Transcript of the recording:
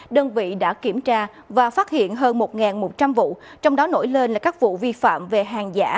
đơn vị đã kiểm tra và phát hiện hơn một một trăm linh vụ trong đó nổi lên là các vụ vi phạm về hàng giả